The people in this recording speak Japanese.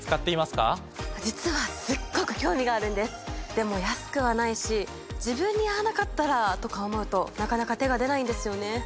でも安くはないし自分に合わなかったらとか思うとなかなか手が出ないんですよね。